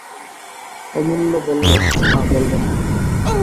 অমূল্য বললে, না, বলব না।